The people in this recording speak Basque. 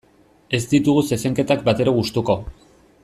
Ez ditugu zezenketak batere gustuko.